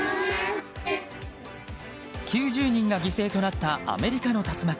９０人が犠牲となったアメリカの竜巻。